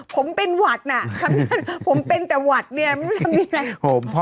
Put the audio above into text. ผมเป็นหวัดน่ะผมเป็นแต่หวัดเนี่ยไม่รู้สึกว่ามีอะไร